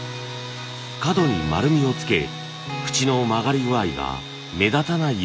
角に丸みをつけフチの曲がり具合が目立たないようにします。